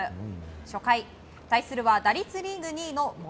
初回、対するは打率リーグ２位の森。